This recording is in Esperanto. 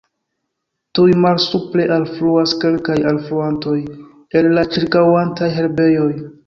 Tuj malsupre alfluas kelkaj alfluantoj el la ĉirkaŭantaj herbejoj.